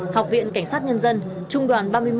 học viện cảnh sát nhân dân trung đoàn ba mươi một